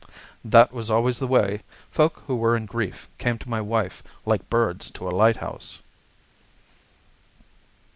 That was always the way. Folk who were in grief came to my wife like birds to a lighthouse.